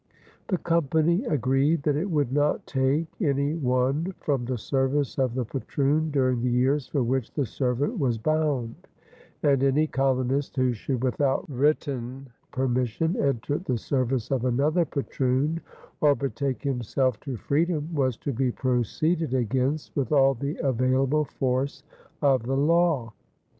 The Company agreed that it would not take any one from the service of the patroon during the years for which the servant was bound, and any colonist who should without written permission enter the service of another patroon or "betake himself to freedom" was to be proceeded against with all the available force of the law.